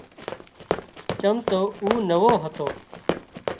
چم تو او نوو هتو